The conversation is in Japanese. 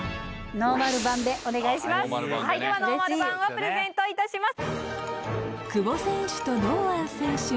ノーマル版をプレゼントします。